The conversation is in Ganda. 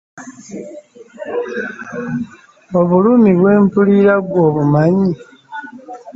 Obulumi bwe mpulira ggwe obumanyi?